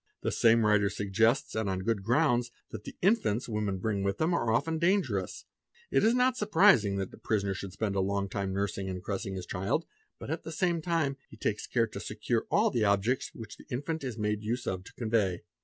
The same writer suggests, —— Peo Ma Ltd a oe va a wy and on good grounds, that the infants women bring with them are often dangerous; it is not surprising that the prisoner should spend a long time nursing and caressing his child, but at the same time he takes care _ to secure all the objects which the infant is made use of to convey.